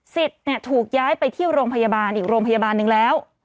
สิทธิ์เนี่ยถูกย้ายไปที่โรงพยาบาลอีกโรงพยาบาลนึงแล้ว